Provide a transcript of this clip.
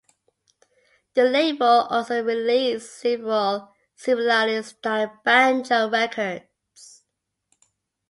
The label also released several similarly-styled banjo records.